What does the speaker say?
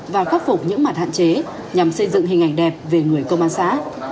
và khắc phục những mặt hạn chế nhằm xây dựng hình ảnh đẹp về người công an xã